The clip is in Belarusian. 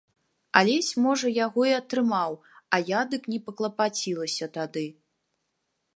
Алесь можа яго і атрымаў, а я дык не паклапацілася тады.